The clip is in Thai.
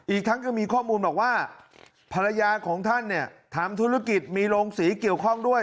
อีกทั้งก็มีข้อมูลบอกว่าภรรยาของท่านเนี่ยทำธุรกิจมีโรงสีเกี่ยวข้องด้วย